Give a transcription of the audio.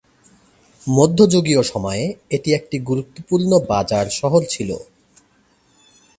মধ্যযুগীয় সময়ে এটি একটি গুরুত্বপূর্ণ বাজার শহর ছিল।